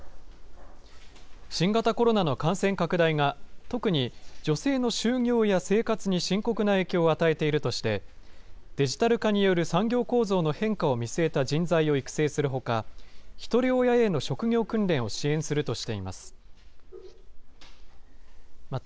新型コロナの感染拡大が、特に女性の就業や生活に深刻な影響を与えているとして、デジタル化による産業構造の変化を見据えた人材を育成するほか、ひとり親への職業訓練を支援するとしています。